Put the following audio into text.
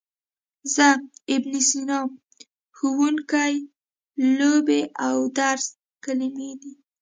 زه، ابن سینا، ښوونکی، لوبې او درس کلمې دي.